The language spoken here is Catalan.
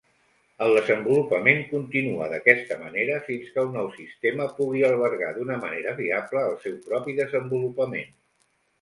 El desenvolupament continua d'aquesta manera fins que el nou sistema pugui albergar d'una manera fiable el seu propi desenvolupament.